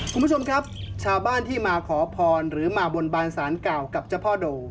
คุณผู้ชมครับชาวบ้านที่มาขอพรหรือมาบนบานสารเก่ากับเจ้าพ่อโด